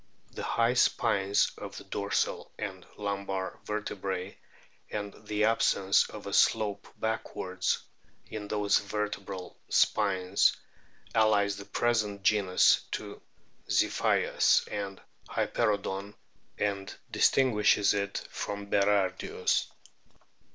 The high spines of the dorsal and lumbar vertebrae, and the absence of a slope backwards in those vertebral spines allies the present genus to Zip kins and Hyperoodon, and distinguishes it from Berardius.